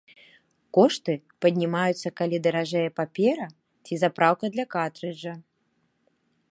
Кошты паднімаюцца, калі даражэе папера ці запраўка для картрыджа.